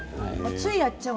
ついやっちゃう。